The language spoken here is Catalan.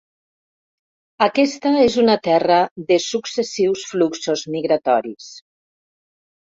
Aquesta és una terra de successius fluxos migratoris.